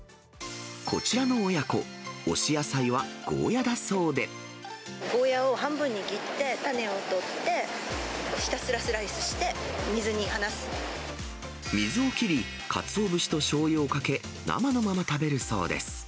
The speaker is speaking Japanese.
こちらの親子、ゴーヤを半分に切って、種を取って、水を切り、かつお節としょうゆをかけ、生のまま食べるそうです。